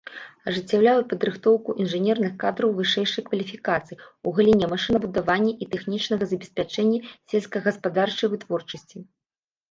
Ажыццяўляе падрыхтоўку інжынерных кадраў вышэйшай кваліфікацыі ў галіне машынабудавання і тэхнічнага забеспячэння сельскагаспадарчай вытворчасці.